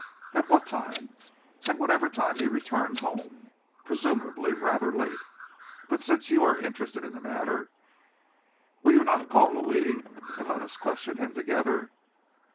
"At what time?" "At whatever time he returned home. Presumably rather late. But since you are interested in the matter, will you not call Louis and let us question him together?"